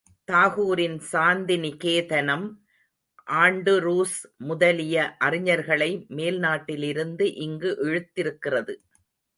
தாகூரின் சாந்தி நிகேதனம், ஆண்டுரூஸ் முதலிய அறிஞர்களை மேல் நாட்டிலிருந்து இங்கு இழுத்திருக்கிறது.